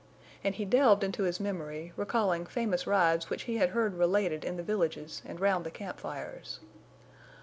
And he delved into his memory, recalling famous rides which he had heard related in the villages and round the camp fires.